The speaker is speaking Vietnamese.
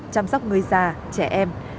chăm sóc người già trẻ em